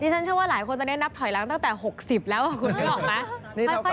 นี่ฉันเชื่อว่าหลายคนตอนนี้นับถอยล้างตั้งแต่๖๐แล้วคุณรู้หรือไม่